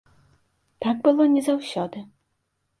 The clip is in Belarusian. Так было не заўсёды.